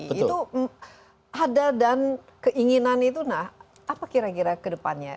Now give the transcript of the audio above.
itu ada dan keinginan itu nah apa kira kira ke depannya